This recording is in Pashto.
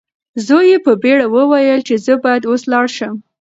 زوی یې په بیړه وویل چې زه باید اوس لاړ شم.